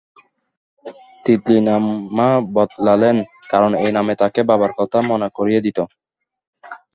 তিতলি নাম মা বদলালেন, কারণ এই নাম তাঁকে বাবার কথা মনে করিয়ে দিত।